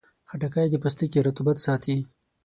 خټکی د پوستکي رطوبت ساتي.